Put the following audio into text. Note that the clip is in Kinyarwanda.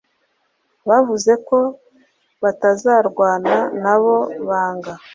Bavuze ko batazarwana nabo banga